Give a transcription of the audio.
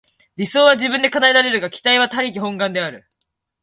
理想は自分で叶えられるが、期待は他力本願である。